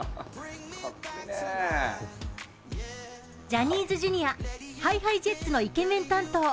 ジャニーズＪｒ．ＨｉＨｉＪｅｔｓのイケメン担当